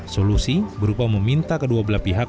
solusi berupa meminta kedua belah pihak